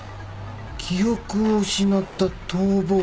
記憶を失った逃亡犯。